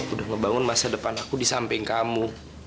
udah ngebangun masa depan aku di samping kamu